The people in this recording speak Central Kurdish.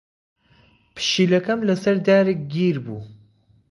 پشیلەکەم لەسەر دارێک گیر بوو.